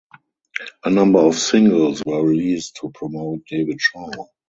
A number of singles were released to promote ‘’David Shaw’’.